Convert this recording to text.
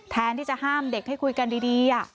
แทนที่จะห้ามเด็กให้คุยกันดี